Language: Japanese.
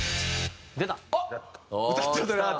出た！